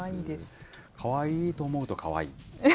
かわいいと思うとかわいい。